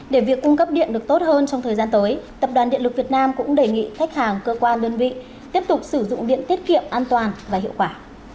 để việc cung cấp điện được tốt hơn trong thời gian tới tập đoàn điện lực việt nam cũng đề nghị khách hàng cơ quan đơn vị tiếp tục sử dụng điện tiết kiệm an toàn và hiệu quả